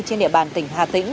trên địa bàn tỉnh hà tĩnh